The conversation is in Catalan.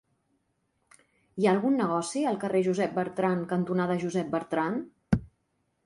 Hi ha algun negoci al carrer Josep Bertrand cantonada Josep Bertrand?